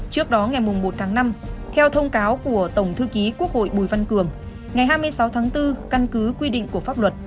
trước đó ngày một tháng năm theo thông cáo của tổng thư ký quốc hội bùi văn cường ngày hai mươi sáu tháng bốn căn cứ quy định của pháp luật